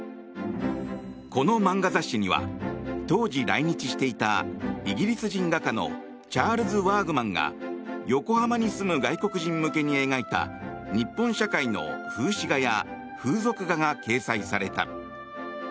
この漫画雑誌には当時、来日していたイギリス人画家のチャールズ・ワーグマンが横浜に住む外国人向けに描いた日本社会の風刺画や風俗画が掲載された。